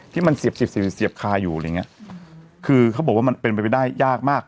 ที่มันเสียบคาอยู่อะไรอย่างนี้คือเขาบอกว่ามันเป็นไปไม่ได้ยากมาก